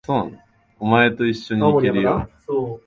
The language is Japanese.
お前と一緒に行けるよ。